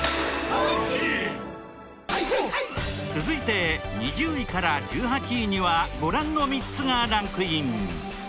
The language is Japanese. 続いて２０位から１８位にはご覧の３つがランクイン。